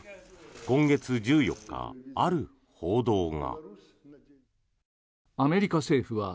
今月１４日、ある報道が。